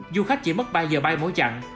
du khách chỉ mất ba giờ bay mỗi chặng